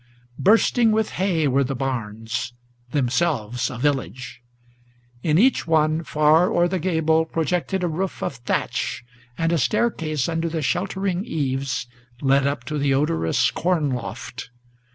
Bursting with hay were the barns, themselves a village. In each one Far o'er the gable projected a roof of thatch; and a staircase, Under the sheltering eaves, led up to the odorous corn loft.